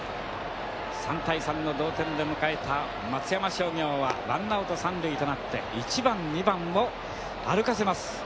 ３対３の同点で迎えた松山商業はワンアウト３塁となって１番２番を歩かせます。